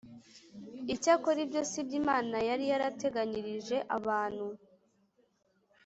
Icyakora ibyo si byo imana yari yarateganyirije abantu